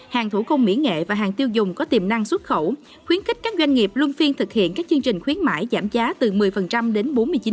hàng thủ công mỹ nghệ và hàng tiêu dùng có tiềm năng xuất khẩu khuyến khích các doanh nghiệp luân phiên thực hiện các chương trình khuyến mãi giảm giá từ một mươi đến bốn mươi chín